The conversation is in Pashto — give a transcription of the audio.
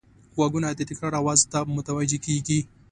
غوږونه د تکرار آواز ته متوجه کېږي